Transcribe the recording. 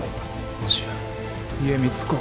もしや家光公は。